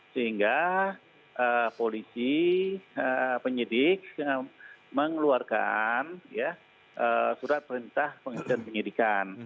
sehingga polisi penyidik mengeluarkan surat perintah penghentian penyidik